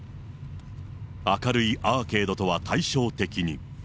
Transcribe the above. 明るいアーケードとは対照的に。